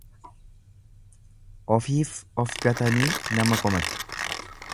Ofiif of gatanii nama komatu.